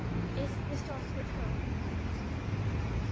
"Is Mr. Oscar at home?" I asked.